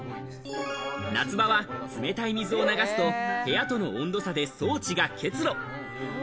夏場は冷たい水を流すと、部屋との温度差で装置が結露。